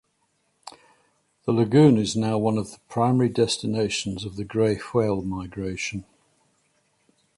The lagoon is now one of the primary destinations of the Gray Whale migration.